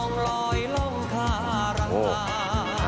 น้องลอยลงขาร้างคา